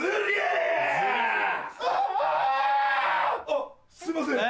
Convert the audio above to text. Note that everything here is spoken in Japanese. あっすいません！